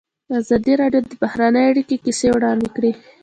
ازادي راډیو د بهرنۍ اړیکې کیسې وړاندې کړي.